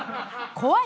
怖い？